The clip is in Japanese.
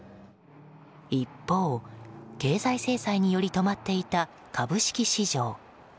一方、経済制裁により止まっていた株式市場。